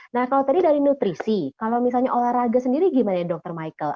nah kalau tadi dari nutrisi kalau misalnya olahraga sendiri gimana ya dokter michael